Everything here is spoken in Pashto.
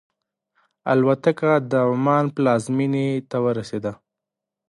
الوتکه د عمان پلازمینې ته ورسېده.